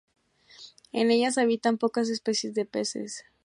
En ellas habitan pocas especies de peces.